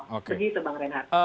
segitu bang renhar